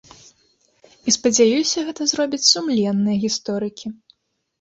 І, спадзяюся, гэта зробяць сумленныя гісторыкі.